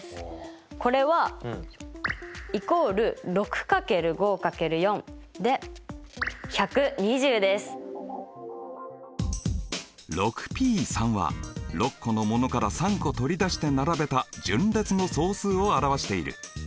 これはＰは６個のものから３個取り出して並べた順列の総数を表している。